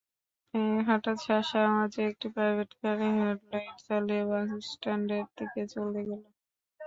হঠাৎ শাঁ শাঁ আওয়াজে একটা প্রাইভেটকার হেডলাইট জ্বালিয়ে বাসস্ট্যান্ডের দিকে চলে গেল।